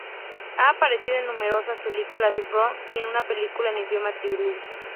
Ha aparecido en numerosas películas de Bollywood y en una película en idioma telugu.